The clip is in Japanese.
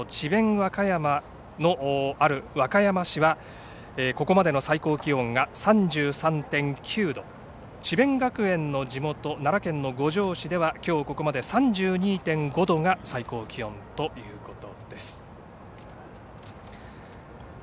和歌山のある、和歌山市はここまでの最高気温が３３．９度智弁学園の地元奈良県の五條市ではきょうここまで３２．５度が最高気温ということです。